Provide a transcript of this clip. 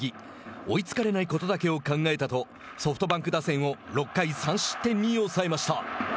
追いつかれないことだけを考えたとソフトバンク打線を６回３失点に抑えました。